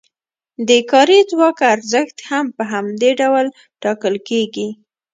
د کاري ځواک ارزښت هم په همدې ډول ټاکل کیږي.